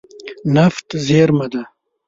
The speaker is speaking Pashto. نفت زیرمه ده.